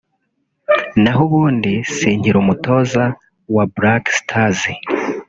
naho ubundi si nkiri umutoza wa Black stars”